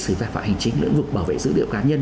xử phạt phạm hành chính lĩnh vực bảo vệ dữ liệu cá nhân